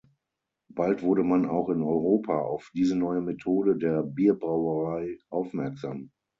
Bald wurde man auch in Europa auf diese neue Methode der Bierbrauerei aufmerksam.